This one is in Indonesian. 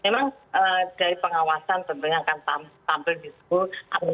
memang dari pengawasan tentunya akan tampil di seluruh